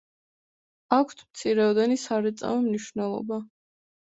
აქვთ მცირეოდენი სარეწაო მნიშვნელობა.